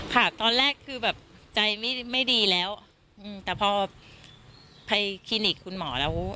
ค่ะตอนแรกคือแบบใจไม่ดีแล้วแต่พอไปคลินิกคุณหมอแล้ว